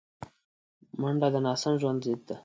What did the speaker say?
منډه د ناسم ژوند ضد ده